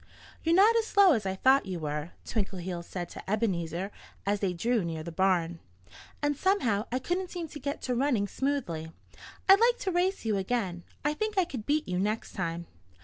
"You're not as slow as I thought you were," Twinkleheels said to Ebenezer as they drew near the barn. "And somehow I couldn't seem to get to running smoothly. I'd like to race you again. I think I could beat you next time."